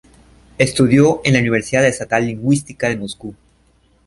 Estudió en la Universidad Estatal Lingüística de Moscú.